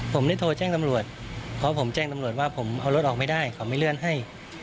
ผมได้โทรแจ้งตำรวจเพราะผมแจ้งตำรวจว่าผมเอารถออกไม่ได้เขาไม่เลื่อนให้